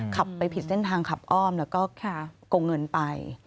ขับไปผิดเส้นทางขับอ้อมแล้วก็โกงเงินไป